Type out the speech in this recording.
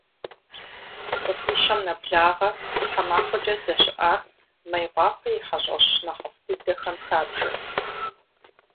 Цӏыхуищэм нэблагъэ тхьэмахуэкӏэ здэщыӏар Мейкъуапэ и хьэщӏэщ нэхъыфӏ дыдэхэм хабжэ.